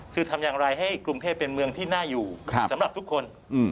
คือทำอย่างไรให้กรุงเทพเป็นเมืองที่น่าอยู่สำหรับทุกคน